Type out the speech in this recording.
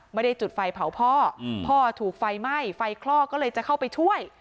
ไม่ได้จุดไฟเผาพ่อพ่อถูกไฟไหม้ไฟคลอกก็เลยจะเข้าไปช่วย